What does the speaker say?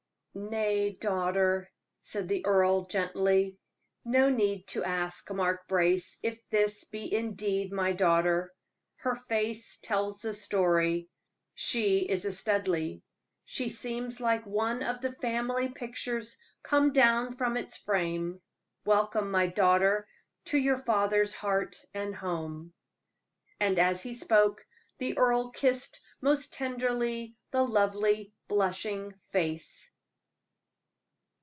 "Nay, daughter," said the earl, gently, "no need to ask Mark Brace if this be indeed my daughter. Her face tells the story she is a Studleigh. She seems like one of the family pictures come down from its frame. Welcome, my daughter, to your father's heart and home!" And as he spoke, the earl kissed most tenderly the lovely, blushing face.